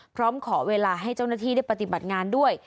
พร้อมขอเวลาให้เจ้าหน้าที่ได้ปฏิบัติงานด้วย